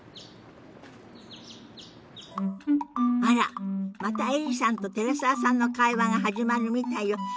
あらまたエリさんと寺澤さんの会話が始まるみたいよ。